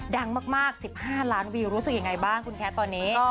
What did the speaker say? ดังมาก๑๕ล้านวิวรู้สึกยังไงบ้างคุณแคทตอนนี้